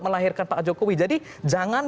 melahirkan pak jokowi jadi jangan